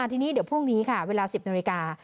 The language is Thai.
ทีนี้เดี๋ยวพรุ่งนี้ค่ะเวลา๑๐นาฬิกา